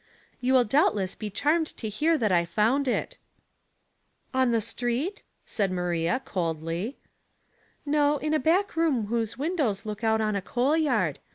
*'You will doubtless be charmed to hear that I found it." " On the street ?" said Maria, coldly. " No, in a back room whose windows look out on a coal yard.